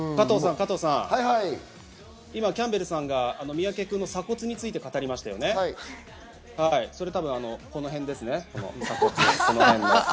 加藤さん、今、キャンベルさんが三宅君の鎖骨について語りましたよね、それこの辺ですね。